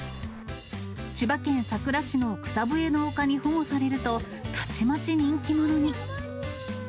千葉県佐倉市のくさぶえの丘に保護されると、たちまち人気者に。